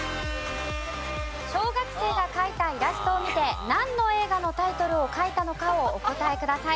小学生が描いたイラストを見てなんの映画のタイトルを描いたのかをお答えください。